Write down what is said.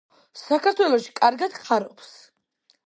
საქართველოში კარგად ხარობს.